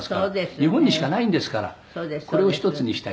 「日本にしかないんですからこれを一つにしたい」